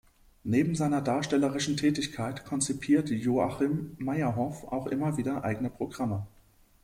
Neben seiner darstellerischen Tätigkeit konzipiert Joachim Meyerhoff auch immer wieder eigene Programme.